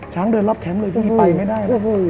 ช้างเดินรอบแคมป์เลยอีกเลยไปไม่ได้